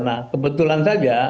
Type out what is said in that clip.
nah kebetulan saja